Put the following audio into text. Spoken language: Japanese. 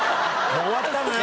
もう終わったのよ。